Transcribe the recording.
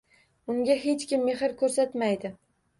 Unga hech kim, mehr koʻrsatmaydi.